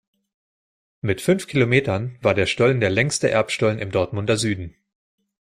Mit fünf Kilometern war der Stollen der längste Erbstollen im Dortmunder Süden.